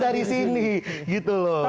dari sini gitu loh